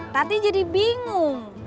tati jadi bingung